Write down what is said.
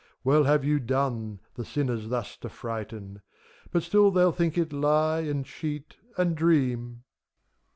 Well have you done, the sinners thus to frighten ; But still they'll think it lie, and cheat, and dream